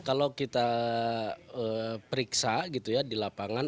kalau kita periksa di lapangan